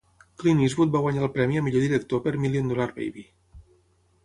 Clint Eastwood va guanyar el premi a millor director per "Million Dollar Baby".